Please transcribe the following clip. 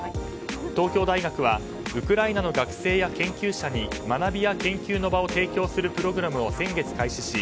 東京大学はウクライナの学生や研究者に学びや研究の場を提供するプログラムを先月、開始し